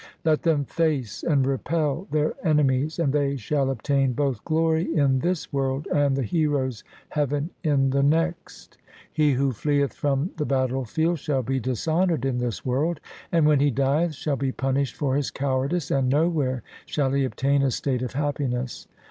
Let them face and repel their enemies, and they shall obtain both glory in this world and the heroes' heaven in the next. He who fleeth from the battle field shall be dishonoured in this world, and when he dieth shall be punished for his cowardice, and nowhere shall he obtain a state of happiness.